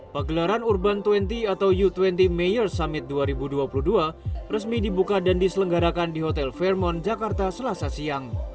pagelaran urban dua puluh atau u dua puluh mayor summit dua ribu dua puluh dua resmi dibuka dan diselenggarakan di hotel fairmont jakarta selasa siang